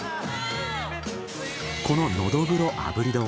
このノドグロ炙り丼